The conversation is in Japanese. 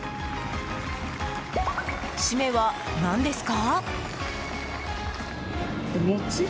シメは何ですか？